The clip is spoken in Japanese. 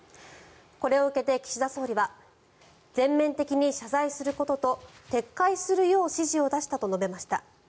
これを受けて岸田総理は全面的に謝罪することと撤回するよう指示を出したと述べました。